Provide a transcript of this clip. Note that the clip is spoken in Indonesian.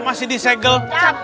masih di segel